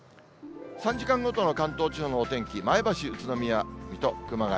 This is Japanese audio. ３時間ごとの関東地方のお天気、前橋、宇都宮、水戸、熊谷。